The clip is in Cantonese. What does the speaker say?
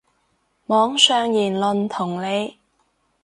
網上言論同理